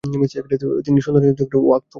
তিনি সন্তান-সন্ততিদের জন্য ওয়াকফ করে যান।